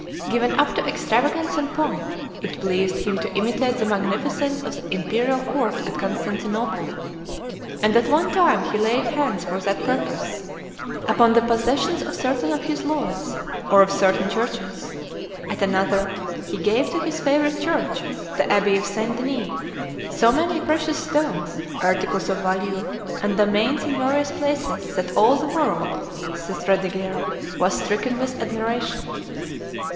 Given up to extravagance and pomp, it pleased him to imitate the magnificence of the imperial court at Constantinople, and at one time he laid hands for that purpose, upon the possessions of certain of his "leudes" or of certain churches; at another he gave to his favorite church, the Abbey of St. Denis, "so many precious stones, articles of value, and domains in various places, that all the world," says Fredegaire, "was stricken with admiration."